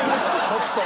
ちょっと。